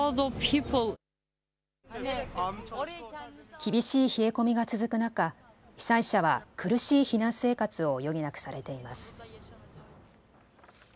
厳しい冷え込みが続く中、被災者は苦しい避難生活を余儀なくされています。